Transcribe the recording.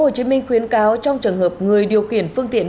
công an tp hồ chí minh khuyến cáo trong trường hợp người điều khiển phương tiện